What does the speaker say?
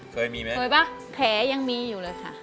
เคยมีไหมเคยป่ะแผลยังมีอยู่เลยค่ะ